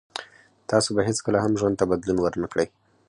تاسو به هیڅکله هم ژوند ته بدلون ور نه کړی